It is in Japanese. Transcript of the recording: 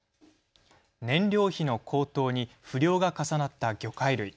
燃料費の高騰に不漁が重なった魚介類。